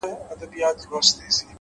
پوهه د غوره راتلونکي رڼا ده,